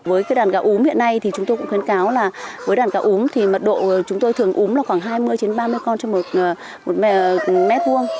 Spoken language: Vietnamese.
với cái đàn gà uống hiện nay thì chúng tôi cũng khuyến cáo là với đàn gà uống thì mật độ chúng tôi thường úm là khoảng hai mươi ba mươi con trong một mét vuông